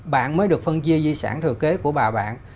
bạn mới được phân chia di sản thừa kế của bà bạn